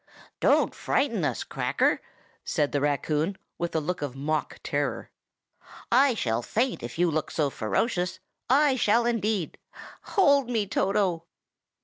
"Don't frighten us, Cracker!" said the raccoon, with a look of mock terror. "I shall faint if you look so ferocious. I shall, indeed! Hold me, Toto!"